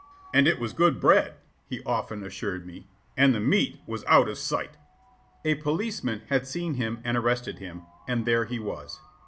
"And it was good bread," he often assured me; "and the meat was out of sight." A policeman had seen him and arrested him, and there he was.